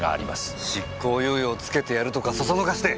執行猶予をつけてやるとかそそのかして！